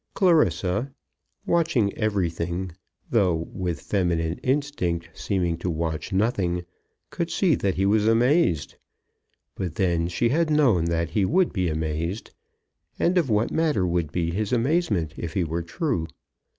Clarissa, watching everything, though, with feminine instinct, seeming to watch nothing, could see that he was amazed. But then she had known that he would be amazed. And of what matter would be his amazement, if he were true?